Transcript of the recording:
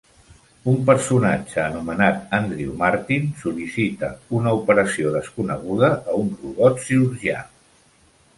Un personatge anomenat Andrew Martin sol·licita una operació desconeguda a un robot cirurgià.